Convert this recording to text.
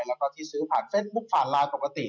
แล้วก็ที่ซื้อผ่านเฟสบุ๊คผ่านไลน์ปกติ